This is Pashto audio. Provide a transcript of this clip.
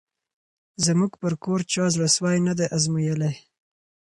زموږ پر کور چا زړه سوی نه دی آزمییلی